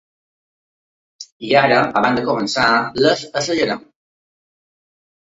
I ara abans de començar les assajarem.